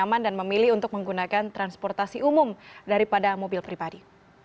aman dan memilih untuk menggunakan transportasi umum daripada mobil pribadi